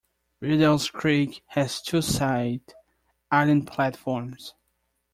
Riddells Creek has two side island platforms.